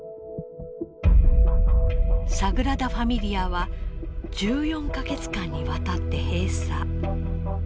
サグラダ・ファミリアは１４か月間にわたって閉鎖。